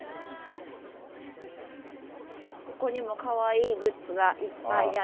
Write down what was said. ここにもかわいいグッズがいっぱいある。